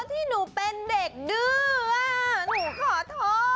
ที่หนูเป็นเด็กดื้อหนูขอโทษ